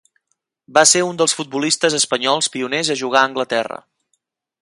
Va ser un dels futbolistes espanyols pioners a jugar a Anglaterra.